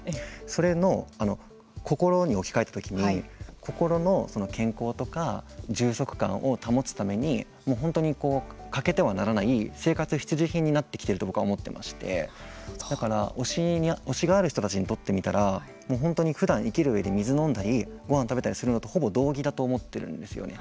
それの心に置き換えたときに心の健康とか充足感を保つために本当に欠けてはならない生活必需品になってきていると僕は思っていましてだから、推しがある人たちにとってみたら本当にふだん生きる上で水を飲んだりごはん食べたりするのとほぼ同義だと思っているんですよね。